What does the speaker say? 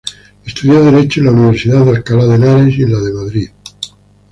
Estudió Derecho en la Universidad de Alcalá de Henares y en la de Madrid.